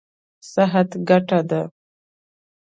صحت ګټه ده.